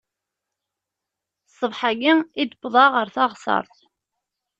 Ṣṣbeḥ-ayi i d-wwḍeɣ ɣer teɣsert.